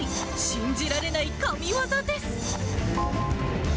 信じられない神業です。